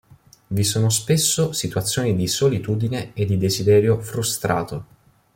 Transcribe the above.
Vi sono spesso situazioni di solitudine e di desiderio frustrato.